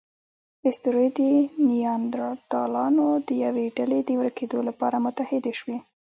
اسطورې د نیاندرتالانو د یوې ډلې د ورکېدو لپاره متحدې شوې.